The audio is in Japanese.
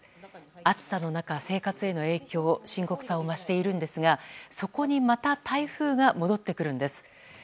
暑さの中、生活への影響深刻さを増しているんですがそこにまた台風が戻ってくるんです。